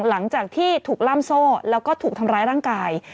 หลังจากที่ถูกล่ามโซ่แล้วก็ถูกทำร้ายร่างกาย